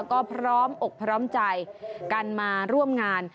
ก็พร้อมอกพร้อมใจกันมาร่วมงาน